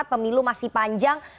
pemilu masih panjang